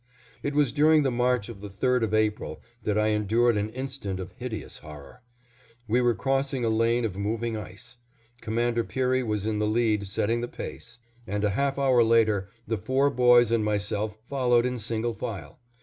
It was during the march of the 3d of April that I endured an instant of hideous horror. We were crossing a lane of moving ice. Commander Peary was in the lead setting the pace, and a half hour later the four boys and myself followed in single file.